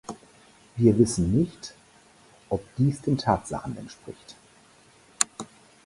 Wir wissen nicht, ob dies den Tatsachen entspricht.